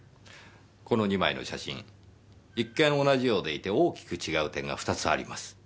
この２枚の写真一見同じようでいて大きく違う点が２つあります。